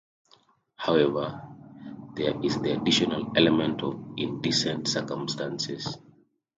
However, there is the additional element of 'indecent circumstances'.